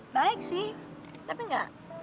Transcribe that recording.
baik sih tapi gak